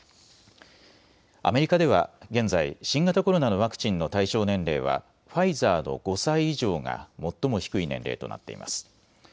アメリカでは現在、新型コロナのワクチンの対象年齢はファイザーの５歳以上が最も低い年齢となっています。